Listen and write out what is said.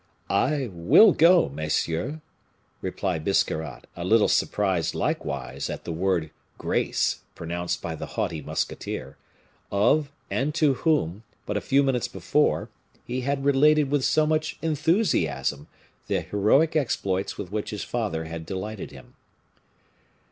"I will go, messieurs," replied Biscarrat, a little surprised likewise at the word "grace" pronounced by the haughty musketeer, of and to whom, but a few minutes before, he had related with so much enthusiasm the heroic exploits with which his father had delighted him.